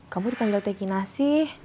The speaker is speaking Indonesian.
kamu dipanggil teki nasi